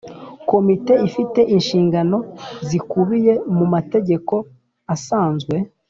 Komite ifite inshingano zikubiye mu mategeko asanzwe